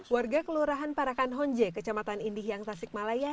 warga kelurahan parakan honje kecamatan indih yang tasikmalaya